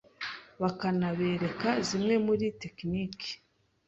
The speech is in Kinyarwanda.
bakanabereka zimwe muri tekinike